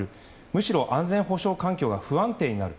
むしろ安全保障環境が不安定になる